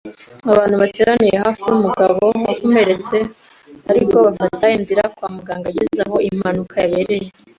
Abantu bateraniye hafi y’umugabo wakomeretse, ariko bafata inzira kwa muganga ageze aho impanuka yabereye.